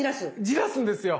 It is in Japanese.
じらすんですよ。